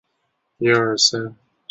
父亲近藤壮吉是律师则为藩士之后。